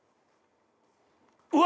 うわ！